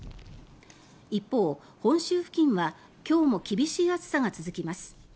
一方、本州付近は今日も厳しい暑さが続きます。